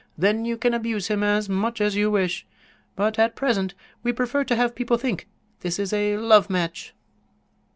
Then you can abuse him as much as you wish. But at present we prefer to have people think this is a love match."